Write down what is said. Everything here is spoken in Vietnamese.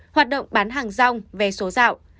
hoạt động bán hàng rong vé số rạo